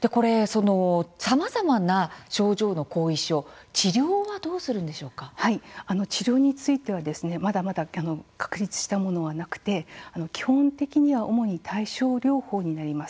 さまざまな症状の後遺症の治療は治療についてはまだまだ確立したものはなくて基本的には主に対症療法になります。